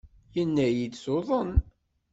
Yenna-iyi-d tuḍen.